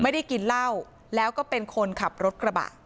ไม่ได้กินเหล้าแล้วก็เป็นคนขับรถกระบะ